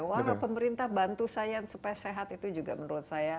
wah kalau pemerintah bantu saya supaya sehat itu juga menurut saya